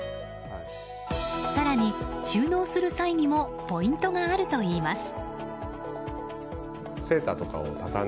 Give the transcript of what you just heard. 更に、収納する際にもポイントがあるといいます。